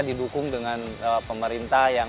didukung dengan pemerintah yang